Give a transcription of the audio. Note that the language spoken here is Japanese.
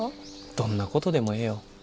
どんなことでもええよ。